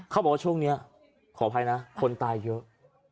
เขาบอกว่าช่วงนี้ขออภัยนะคนตายเยอะ